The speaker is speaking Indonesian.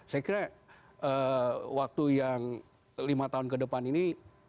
saya kira waktu yang lima tahun ke depan ini